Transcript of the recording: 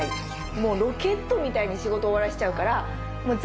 もうロケットみたいに仕事終わらせちゃうから。